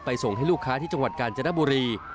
ส่งให้ลูกค้าที่จังหวัดกาญจนบุรี